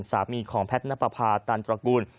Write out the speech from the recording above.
สามีของแพทย์นับประพาตันตระกูล